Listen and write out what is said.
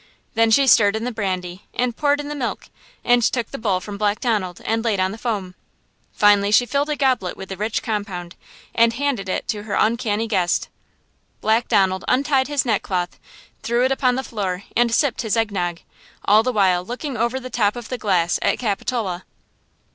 Then she stirred in the brandy and poured in the milk and took the bowl from Black Donald and laid on the foam. Finally, she filled a goblet with the rich compound and handed it to her uncanny guest. Black Donald untied his neck cloth, threw it upon the floor and sipped his egg nog, all the while looking over the top of the glass at Capitola.